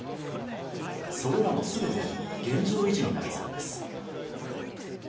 それらも全て現状維持になりそうです。